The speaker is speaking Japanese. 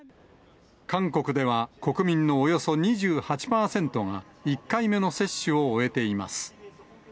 韓国では国民のおよそ２８％が、１回目の接種を終えています。